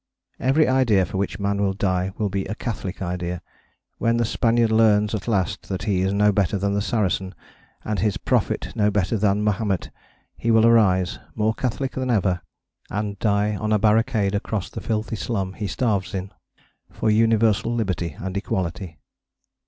Every idea for which Man will die will be a Catholic idea. When the Spaniard learns at last that he is no better than the Saracen, and his prophet no better than Mahomet, he will arise, more Catholic than ever, and die on a barricade across the filthy slum he starves in, for universal liberty and equality.